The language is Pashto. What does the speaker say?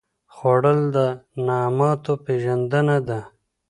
خوړل د نعماتو پېژندنه ده